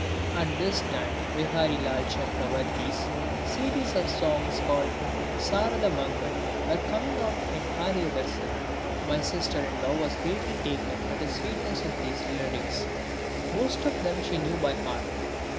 At this time Viharilal Chakravarti's series of songs called Sarada Mangal were coming out in the Arya Darsan. My sister in law was greatly taken with the sweetness of these lyrics. Most of them she knew by heart.